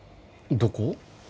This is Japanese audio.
どこ？